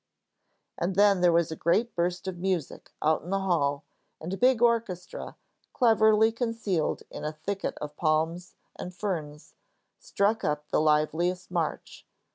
And then there was a great burst of music out in the hall, and a big orchestra, cleverly concealed in a thicket of palms and ferns, struck up their liveliest march.